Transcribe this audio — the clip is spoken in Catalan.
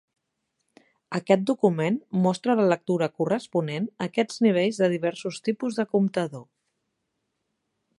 Aquest document mostra la lectura corresponent a aquests nivells de diversos tipus de comptador.